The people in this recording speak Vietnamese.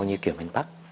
như kiểu miền bắc